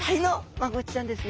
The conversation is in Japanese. マゴチちゃんです。